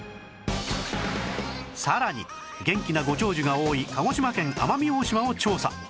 さらに元気なご長寿が多い鹿児島県奄美大島を調査